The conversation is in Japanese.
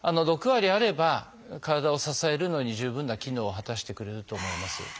６割あれば体を支えるのに十分な機能を果たしてくれると思います。